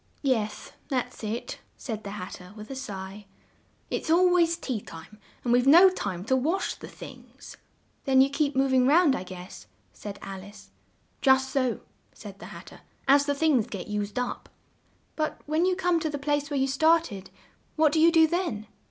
"Yes, that's it," said the Hat ter with a sigh: "it's al ways tea time, and we've no time to wash the things." "Then you keep mov ing round, I guess," said Al ice. "Just so," said the Hat ter; "as the things get used up." "But when you come to the place where you started, what do you do then?"